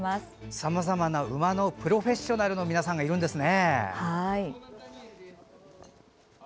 さまざまな馬のプロフェッショナルの皆さんがいるんですね。